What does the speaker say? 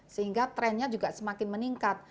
sehingga trennya juga semakin meningkat